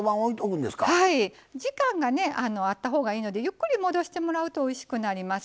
時間があったほうがいいのでゆっくり戻してもらうとおいしくなります。